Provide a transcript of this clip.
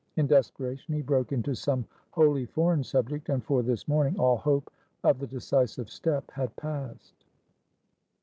In desperation, he broke into some wholly foreign subject, and for this morning, all hope of the decisive step had passed.